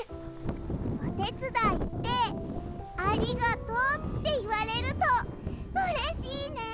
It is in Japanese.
おてつだいして「ありがとう」っていわれるとうれしいね。